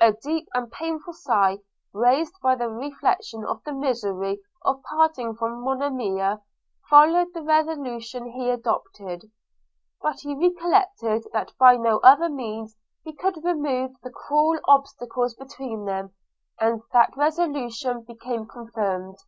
A deep and painful sigh, raised by the reflection of the misery of parting from Monimia, followed the resolution he adopted; but he recollected that by no other means he could remove the cruel obstacles between them, and that resolution became confirmed.